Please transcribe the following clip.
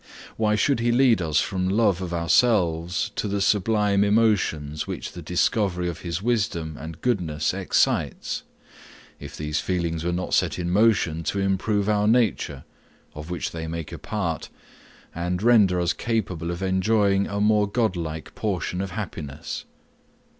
Why should he lead us from love of ourselves to the sublime emotions which the discovery of his wisdom and goodness excites, if these feelings were not set in motion to improve our nature, of which they make a part, and render us capable of enjoying a more godlike portion of happiness?